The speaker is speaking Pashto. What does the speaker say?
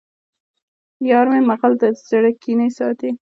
یارمی مغل د زړه کینې ساتي